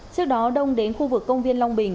trước đó đông đến khu vực công viên long bình